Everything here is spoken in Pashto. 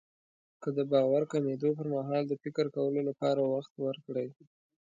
که د باور کمېدو پرمهال د فکر کولو لپاره وخت ورکړئ.